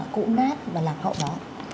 cũ nát và lạc hậu đó